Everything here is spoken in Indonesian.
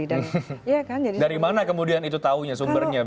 dari mana kemudian itu tahunya sumbernya